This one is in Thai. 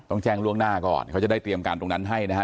ต้องแจ้งล่วงหน้าก่อนเขาจะได้เตรียมการตรงนั้นให้นะฮะ